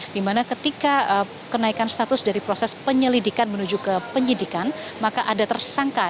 dimana ketika kenaikan status dari proses penyelidikan menuju ke penyidikan maka ada tersangka